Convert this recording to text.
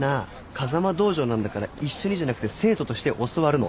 風間道場なんだから一緒にじゃなくて生徒として教わるの。